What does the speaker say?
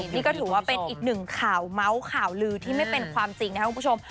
นี่ก็ถือว่าเป็นอีกหนึ่งข่าวเมาส์ข่าวลือที่ไม่เป็นความจริงนะครับคุณผู้ชม